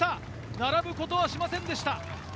並ぶことはしませんでした。